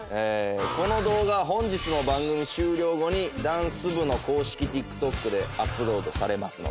この動画は本日の番組終了後にダンス部の公式ＴｉｋＴｏｋでアップロードされますので。